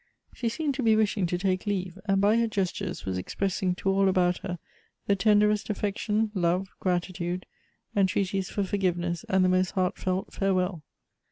She seemed to be wishing to take leave ; and by her gestures, was expressing to all about her the tenderest affection, love, gratitude, entreaties for forgiveness, and the most heart felt farewell.